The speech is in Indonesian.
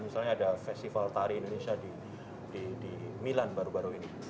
misalnya ada festival tari indonesia di milan baru baru ini